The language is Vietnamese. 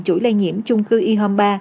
chuỗi lây nhiễm chung cư y hông ba